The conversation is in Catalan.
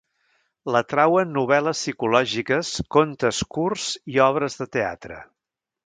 L'atrauen novel·les psicològiques, contes curts i obres de teatre.